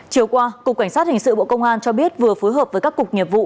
chiều qua cục cảnh sát hình sự bộ công an cho biết vừa phối hợp với các cục nghiệp vụ